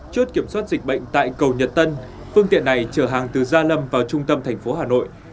chốt kiểm soát dịch bệnh tại cầu nhật tân phương tiện này chở hàng từ gia lâm vào trung tâm thành phố hà nội